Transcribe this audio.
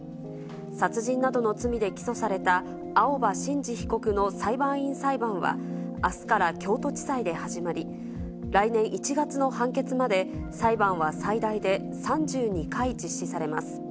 殺人などの罪で起訴された青葉真司被告の裁判員裁判は、あすから京都地裁で始まり、来年１月の判決まで、裁判は最大で３２回実施されます。